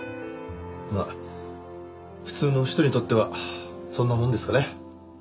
まあ普通の人にとってはそんなもんですかね。